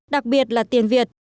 đặc biệt là tiền việt